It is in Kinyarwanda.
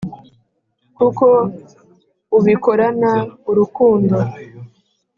kuko ubikorana urukundo